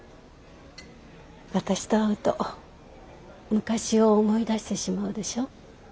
私と会うと昔を思い出してしまうでしょう。